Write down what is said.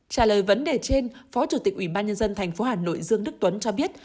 trả lời vấn đề trên phó chủ tịch ủy ban nhân dân tp hà nội dương đức tuấn cho biết